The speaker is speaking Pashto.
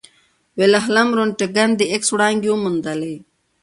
ویلهلم رونټګن د ایکس وړانګې وموندلې.